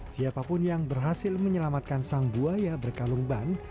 siapapun yang berhasil menyelamatkan sang buaya berkalung ban